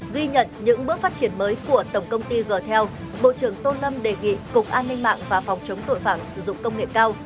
ghi nhận những bước phát triển mới của tổng công ty g tel bộ trưởng tô lâm đề nghị cục an ninh mạng và phòng chống tội phạm sử dụng công nghệ cao